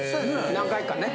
何回かね。